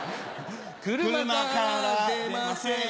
車から出ません